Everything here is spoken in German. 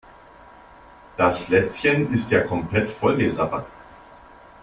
Das Lätzchen ist ja komplett vollgesabbert.